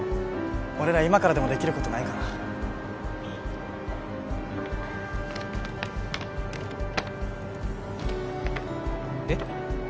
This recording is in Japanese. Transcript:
俺ら今からでもできることないかなえっ？